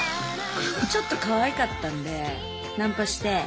ちょっとかわいかったんでナンパして。